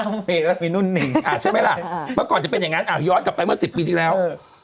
อ้ำเมแล้วมีนุ่นนิ๋งใช่ไหมล่ะเมื่อก่อนจะเป็นอย่างนั้นย้อนกลับไปเมื่อสิบปีที่แล้ว